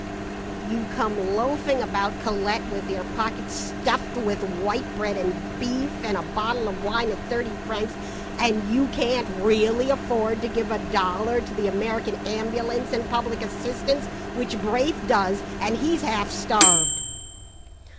You come loafing about Colette with your pockets stuffed with white bread and beef, and a bottle of wine at thirty francs and you can't really afford to give a dollar to the American Ambulance and Public Assistance, which Braith does, and he's half starved!"